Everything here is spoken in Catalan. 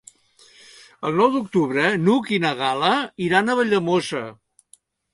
El nou d'octubre n'Hug i na Gal·la iran a Valldemossa.